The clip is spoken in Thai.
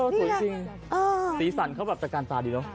ใช่นี่ค่ะสีสันเขาแบบจากการฟาดดีแล้ว